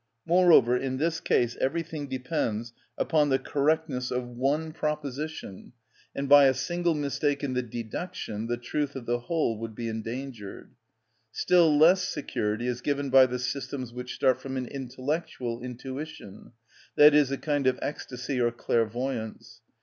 Moreover, in this case everything depends upon the correctness of one proposition, and by a single mistake in the deduction the truth of the whole would be endangered. Still less security is given by the systems which start from an intellectual intuition, i.e., a kind of ecstasy or clairvoyance.